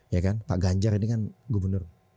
ya kan pak ganjar ini kan gubernur